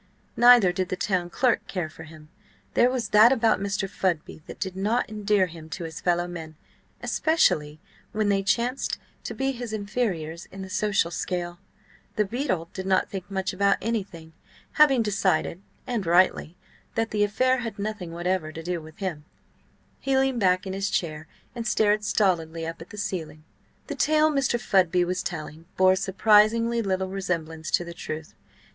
Neither did the town clerk care for him. There was that about Mr. Fudby that did not endear him to his fellow men, especially when they chanced to be his inferiors in the social scale. The beadle did not think much about anything. Having decided (and rightly) that the affair had nothing whatever to do with him, he leaned back in his chair and stared stolidly up at the ceiling. The tale Mr. Fudby was telling bore surprisingly little resemblance to the truth.